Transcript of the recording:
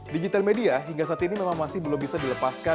digital media hingga saat ini memang masih belum bisa dilepaskan